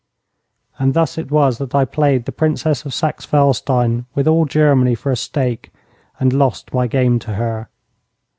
And thus it was that I played the Princess of Saxe Felstein with all Germany for a stake, and lost my game to her.